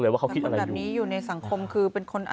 ชาวบ้านญาติโปรดแค้นไปดูภาพบรรยากาศขณะ